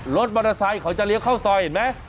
รถมอเตอร์ไซค์เขาจะเลี้ยวเข้าซอยเห็นไหม